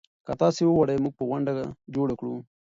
که تاسي وغواړئ موږ به غونډه جوړه کړو.